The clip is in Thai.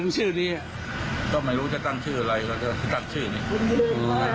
ท่านมีคนยืน